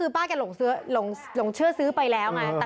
ป้าการหลงซื้อไปแล้วไง